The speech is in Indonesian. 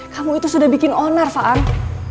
kamu itu sudah bikin onar faan